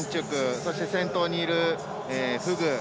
そして先頭にいるフグ。